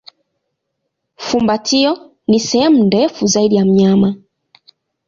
Fumbatio ni sehemu ndefu zaidi ya mnyama.